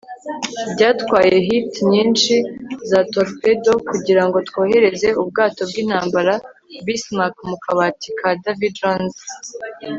Byatwaye hit nyinshi za torpedo kugirango twohereze ubwato bwintambara Bismarck mukabati ka Davy Jones